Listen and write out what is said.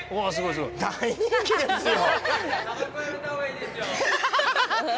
大人気ですよ。